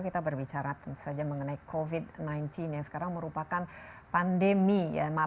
kita berbicara tentu saja mengenai covid sembilan belas yang sekarang merupakan pandemi ya